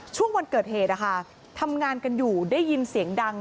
ช่วงวันเกิดเหตุทำงานกันอยู่ได้ยินเสียงดัง